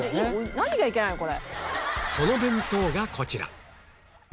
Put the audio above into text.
その弁当がこちら